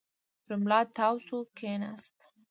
پر ملا تاو شو، کېناست.